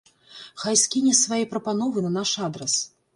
Хай скіне свае прапановы на наш адрас.